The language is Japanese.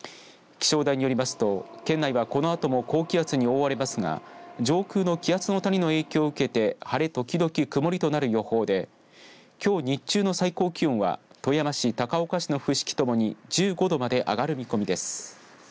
気象台によりますと県内は、このあとも高気圧に覆われますが上空の気圧の谷の影響を受けて晴れ時々曇りとなる予報できょう日中の最高気温は富山市、高岡市の伏木ともに１５度まで上がる見込みです。